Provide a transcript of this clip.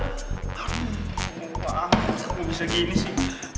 aduh apaan sih aku bisa gini sih